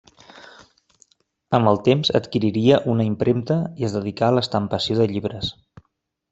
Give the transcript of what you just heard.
Amb el temps adquiriria una impremta i es dedicà a l'estampació de llibres.